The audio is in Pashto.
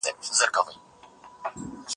که علم په پښتو وي، نو پوهه به مړه نه سي.